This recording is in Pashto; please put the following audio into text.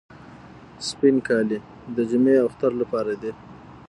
سپین کالي د جمعې او اختر لپاره دي.